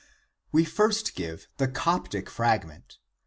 We first give the Coptic fragment.